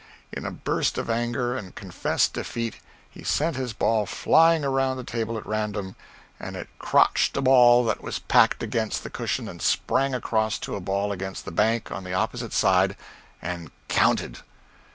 In a burst of anger and confessed defeat, he sent his ball flying around the table at random, and it crotched a ball that was packed against the cushion and sprang across to a ball against the bank on the opposite side, and counted!